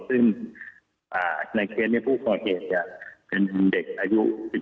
ซึ่งในเคสผู้ก่อเหตุเป็นเด็กอายุ๑๓